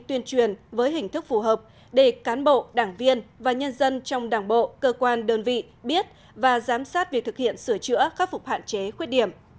tuyên truyền với hình thức phù hợp để cán bộ đảng viên và nhân dân trong đảng bộ cơ quan đơn vị biết và giám sát việc thực hiện sửa chữa khắc phục hạn chế khuyết điểm